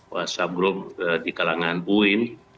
whatsapp group di kalangan boeing